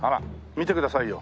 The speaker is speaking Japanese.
見てくださいよ。